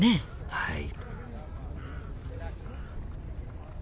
はい。